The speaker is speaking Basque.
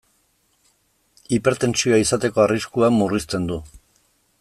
Hipertentsioa izateko arriskua murrizten du.